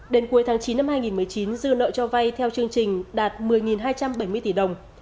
đến cuối tháng chín năm hai nghìn một mươi chín dư nợ cho vay theo chương trình đạt một mươi hai trăm bảy mươi tỷ đồng